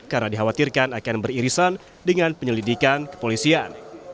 karena dikhawatirkan akan beririsan dengan penyelidikan kepolisian